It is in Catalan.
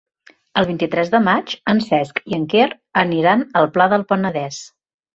El vint-i-tres de maig en Cesc i en Quer aniran al Pla del Penedès.